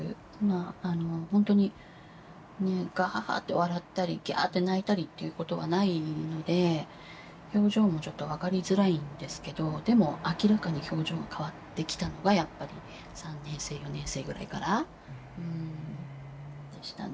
ほんとにガハハッて笑ったりギャーッって泣いたりっていうことはないので表情もちょっと分かりづらいんですけどでも明らかに表情が変わってきたのがやっぱり３年生４年生ぐらいからうんでしたね。